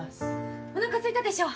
おなかすいたでしょ。